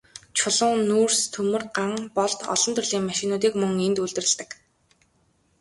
Чулуун нүүрс, төмөр, ган болд, олон төрлийн машинуудыг мөн энд үйлдвэрлэдэг.